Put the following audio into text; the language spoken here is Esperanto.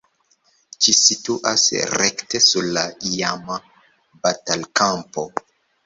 Ĝi situas rekte sur la iama batalkampo.